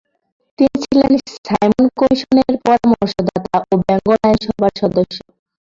তিনি ছিলেন সাইমন কমিশনের পরামর্শ দাতা ও বেঙ্গল আইনসভার সদস্য।